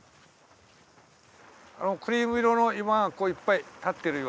あのクリーム色の岩がこういっぱい立ってる。